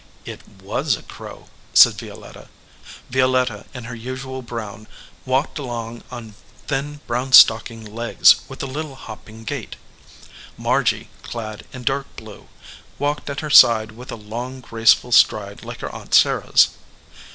"It was a crow," said Violetta. Violetta, in her usual brown, walked along on thin brown stock inged legs with a little hopping gait. Margy, clad in dark blue, walked at her side with a long grace ful stride like her aunt Sarah s.